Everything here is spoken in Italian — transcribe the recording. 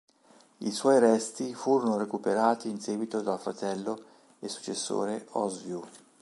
I suoi resti furono recuperati in seguito dal fratello e successore Oswiu.